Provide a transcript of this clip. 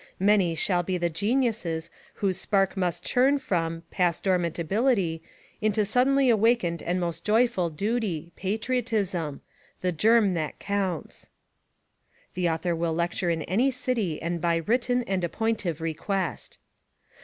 Many shall be the genius' whose spark must turn from ... (past dormant ability) into suddenly awakened and most joyful duty — "patriotism" ... the germ "that counts. (The author will lecture in any ' City and by written and appointive request.)